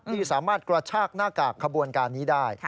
ที่สามารถกระชากหน้ากากขบวนการนี้ได้